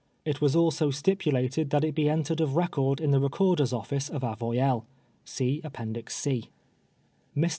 It was also stipulated that it be entered of record in the recorder's office of Avoy elles.* Mr.